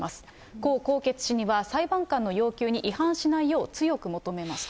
江宏傑氏には、裁判官の要求に違反しないよう強く求めますと。